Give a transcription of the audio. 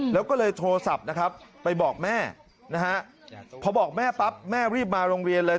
แล้วก็เลยโทรศัพท์นะครับไปบอกแม่นะฮะพอบอกแม่ปั๊บแม่รีบมาโรงเรียนเลย